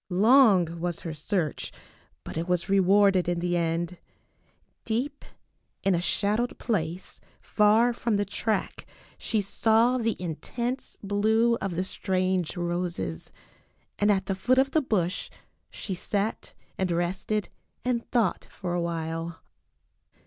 Long was her search, but it was rewarded in the end. Deep in a shadowed place far from the track she saw the intense 330 STORIES WITHOUT TEARS blue of the strange roses, and at the foot of the bush she sat and rested and thought for a while.